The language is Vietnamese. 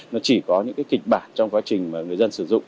nó chỉ có những cái kịch bản trong quá trình mà người dân sử dụng